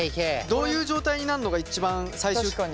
どういう状態になるのが一番最終的な。